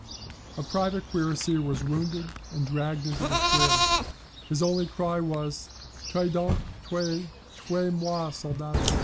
A private cuirassier was wounded and dragged into the square; his only cry was, 'Tuez donc, tuez, tuez moi, soldats!'